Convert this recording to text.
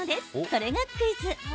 それがクイズ。